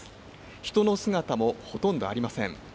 人の姿もほとんどありません。